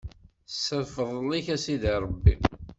S lfeḍl-ik a Sidi Ṛebbi.